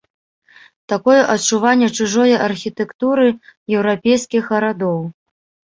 Такое адчуванне чужое архітэктуры еўрапейскіх гарадоў.